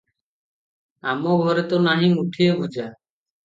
ଆମ ଘରେ ତ ନାହିଁ ମୁଠିଏ ଭୁଜା ।